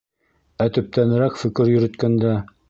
Ә төптәнерәк фекер йөрөткәндә...